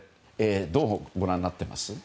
どうご覧になっています？